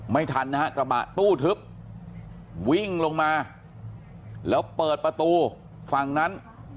ไม่ทันนะฮะกระบะตู้ทึบวิ่งลงมาแล้วเปิดประตูฝั่งนั้น